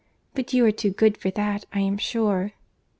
But you are too good for that, I am sure."